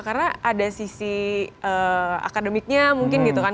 karena ada sisi akademiknya mungkin gitu kan